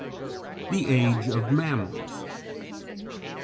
_The Age of Mammals.